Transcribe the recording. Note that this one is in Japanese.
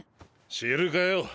知るかよ。